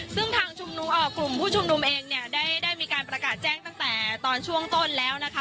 ซึ่งทางกลุ่มผู้ชุมนุมเองเนี่ยได้มีการประกาศแจ้งตั้งแต่ตอนช่วงต้นแล้วนะคะ